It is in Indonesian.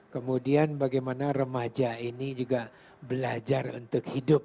kemudian bagaimana remaja ini juga belajar untuk hidup